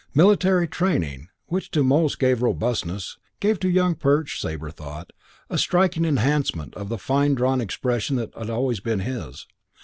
Military training, which to most gave robustness, gave to Young Perch, Sabre thought, a striking enhancement of the fine drawn expression that always had been his.